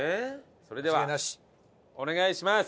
それではお願いします！